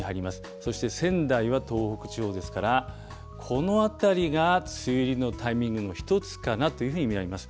そして仙台は東北地方ですから、このあたりが梅雨入りのタイミングの一つかなというふうに見られます。